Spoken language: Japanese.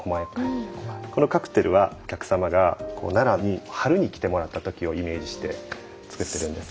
このカクテルはお客様が奈良に春に来てもらった時をイメージして作ってるんですね。